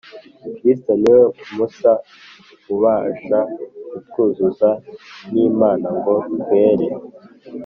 Kristo niwe musa ubasha kutwuzuza n’Imana ngo twere.